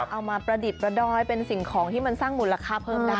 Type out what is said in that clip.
เอามาประดิตประดอยเป็นสิ่งของที่มันสร้างมุลอาคาเพิ่มกัน